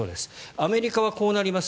アメリカはこうなります。